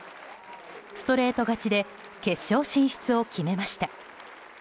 ストレート勝ちで決勝進出を決めました。